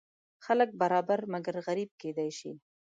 خلک برابر مګر غریب کیدی شي.